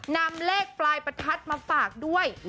นำเลขปลายประทัดมาฝากด้วย